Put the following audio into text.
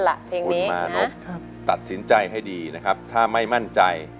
ล่ะเพลงนี้นะครับตัดสินใจให้ดีนะครับถ้าไม่มั่นใจ